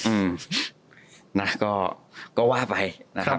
อืมนะก็ก็ว่าไปนะครับ